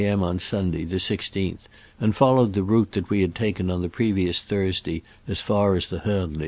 m. on Sunday, the 1 6th, and followed the route that we had taken on the previous Thursday as far as the Hornli.